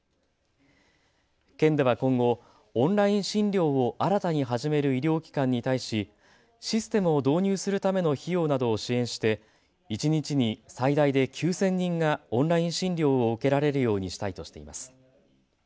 県では今後、オンライン診療を新たに始める医療機関に対しシステムを導入するための費用などを支援して一日に最大で９０００人がオンライン診療を受けられるようにしたいとしています。